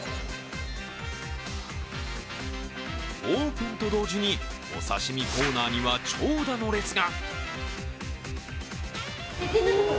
オープンと同時にお刺身コーナーには長蛇の列が。